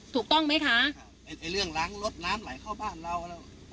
ถูกต้องไหมคะครับไอ้เรื่องล้างรถน้ำไหลเข้าบ้านเราแล้ว